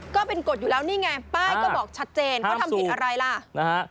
ก็เป็นกฎอยู่แล้วนี่ไงป้ายก็บอกชัดเจนเขาทำผิดอะไรล่ะนะฮะ